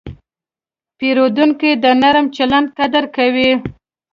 پیرودونکی د نرم چلند قدر کوي.